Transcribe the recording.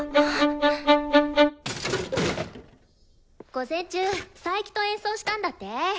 午前中佐伯と演奏したんだって？